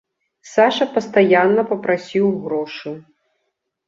Саша пастаянна папрасіў грошы.